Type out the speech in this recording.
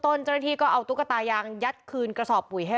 เจ้าหน้าที่ก็เอาตุ๊กตายางยัดคืนกระสอบปุ๋ยให้